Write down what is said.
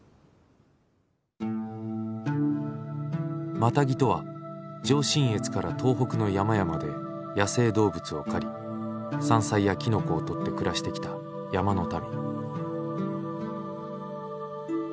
マタギとは上信越から東北の山々で野生動物を狩り山菜やきのこをとって暮らしてきた山の民。